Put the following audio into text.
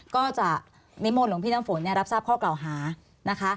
ก็จะนิมนต์หลวงพี่น้ำฝนรับทราบข้อกล่าวหานะคะ